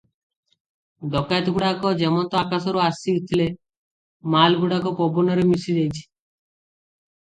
ଡକାଏତଗୁଡ଼ାକ ଯେମନ୍ତ ଆକାଶରୁ ଆସିଥିଲେ, ମାଲଗୁଡ଼ାକ ପବନରେ ମିଶି ଯାଇଛି ।